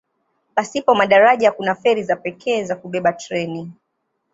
Pasipo madaraja kuna feri za pekee za kubeba treni.